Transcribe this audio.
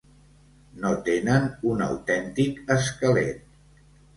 No tenen un autèntic esquelet.